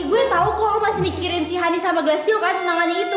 gue tau kok lu masih mikirin si hani sama glasio kan tangannya itu